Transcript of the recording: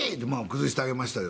崩してあげました。